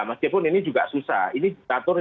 meskipun ini juga susah ini diatur